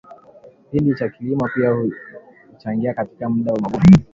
kipindi cha kilimo pia huchangia katika mda wa mavuno